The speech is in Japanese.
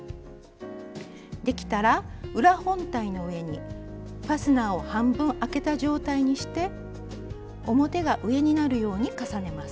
できたら裏本体の上にファスナーを半分開けた状態にして表が上になるように重ねます。